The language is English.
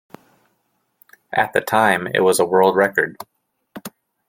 At the time, it was a world record.